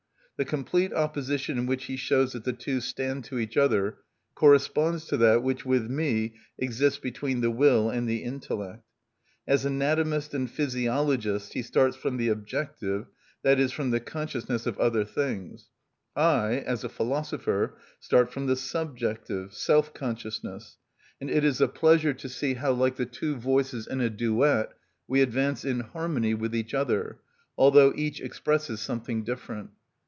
The complete opposition in which he shows that the two stand to each other corresponds to that which with me exists between the will and the intellect. As anatomist and physiologist he starts from the objective, that is, from the consciousness of other things; I, as a philosopher, start from the subjective, self consciousness; and it is a pleasure to see how, like the two voices in a duet, we advance in harmony with each other, although each expresses something different.